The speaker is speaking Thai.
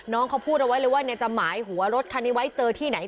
น้องเขาพูดเอาไว้เลยว่าจะหมายหัวรถคันนี้ไว้เจอที่ไหน